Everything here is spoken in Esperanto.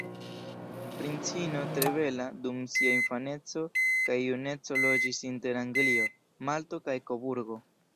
Princino tre bela, dum sia infaneco kaj juneco loĝis inter Anglio, Malto kaj Koburgo.